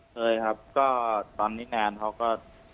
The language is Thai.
เคยครับก็ตอนนี้งานเขาก็